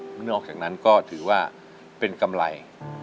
นอกจากนั้นก็ถือว่าเป็นกำไร